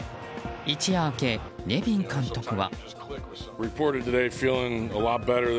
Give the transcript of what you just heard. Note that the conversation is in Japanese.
一夜明け、ネビン監督は。